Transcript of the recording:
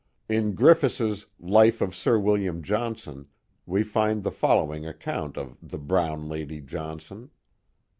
In Griffis*s Life of Sir William Johnson we find the follow ing account of the brown Lady Johnson.